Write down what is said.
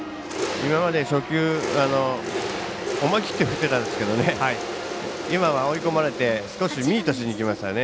今まで初球思い切って振ってたんですけど今は追い込まれてミートしにいきましたね。